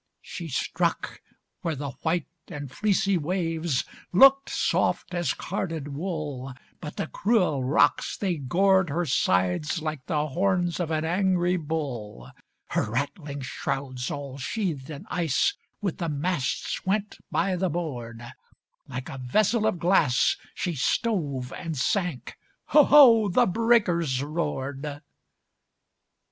She struck where the white and fleecy waves Looked soft as carded wool, But the cruel rocks, they gored her side Like the horns of an angry bull. Her rattling shrouds, all sheathed in ice, With the masts went by the board; Like a vessel of glass, she stove and sank, Ho! ho! the breakers roared!